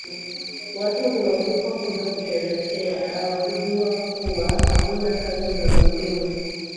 Watu hualikwa kuja kusherehekea wakijua kuwa hamna kazi za muhimu